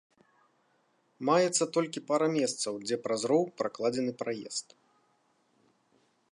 Маецца толькі пара месцаў, дзе праз роў пракладзены праезд.